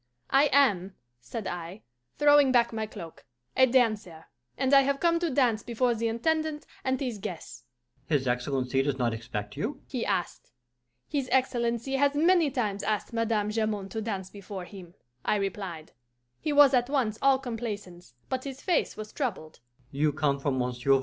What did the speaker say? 'I am,' said I, throwing back my cloak, 'a dancer, and I have come to dance before the Intendant and his guests.' 'His Excellency does not expect you?' he asked. 'His Excellency has many times asked Madame Jamond to dance before him,' I replied. He was at once all complaisance, but his face was troubled.